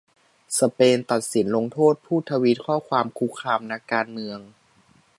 สเปนตัดสินลงโทษผู้ทวีตข้อความคุกคามนักการเมือง